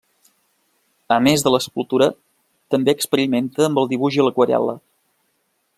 A més de l'escultura, també experimenta amb el dibuix i l'aquarel·la.